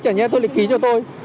chả nhẽ tôi lại ký cho tôi